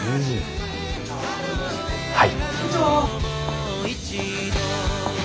はい。